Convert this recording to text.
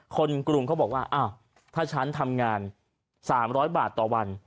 กรุงเขาบอกว่าอ้าวถ้าฉันทำงาน๓๐๐บาทต่อวัน